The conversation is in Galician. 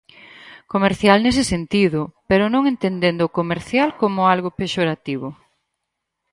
Comercial nese sentido, pero non entendendo o comercial como algo pexorativo.